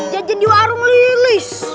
jajan di warung lilis